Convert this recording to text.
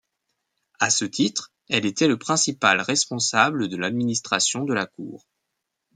À ce titre, elle était le principal responsable de l’administration de la Cour.